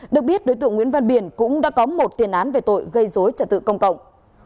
được biết đối tượng nguyễn văn biển cũng đã có một tiền án về tội gây dối trật tự công cộng